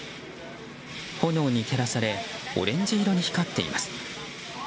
炎に照らされオレンジ色に光っています。